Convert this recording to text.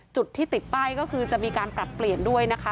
จุดที่ติดป้ายก็คือจะมีการปรับเปลี่ยนด้วยนะคะ